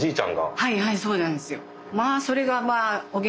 はいはいそうなんですよ。